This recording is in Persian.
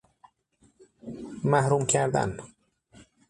محروم کردن